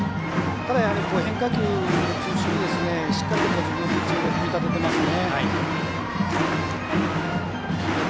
ただ、変化球中心にしっかりと自分のピッチングを組み立てていますね。